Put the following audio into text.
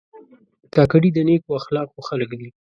کاکړي د نیکو اخلاقو خلک دي.